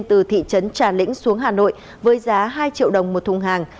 từ thị trấn trà lĩnh xuống hà nội với giá hai triệu đồng một thùng hàng